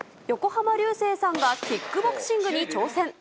横浜流星さんがキックボクシングに挑戦。